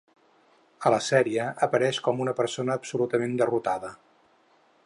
A la sèrie apareix com una persona absolutament derrotada.